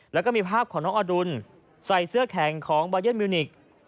แล้วก็มีภาพของน้องอดุลใส่เสื้อแข็งของบายันมิวนิกส์